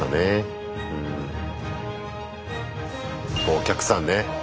お客さんね。